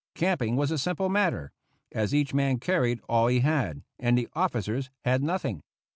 Camping was a simple matter, as each man carried all he had, and the officers had nothing.